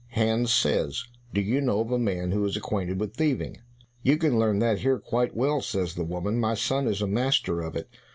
Hans says, "Do you know of a man who is acquainted with thieving?" "You can learn that here quite well," says the woman, "my son is a master of it."